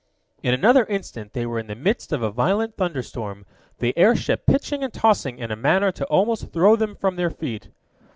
In another instant they were in the midst of a violent thunderstorm, the airship pitching and tossing in a manner to almost throw them from their feet.